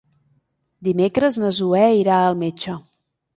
Dimecres na Zoè irà al metge.